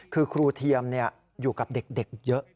คือครูเทียมอยู่กับเด็กเยอะ